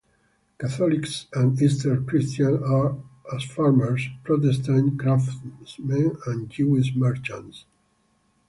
Catholics and Eastern Christians as farmers, Protestant craftsmen, and Jewish merchants.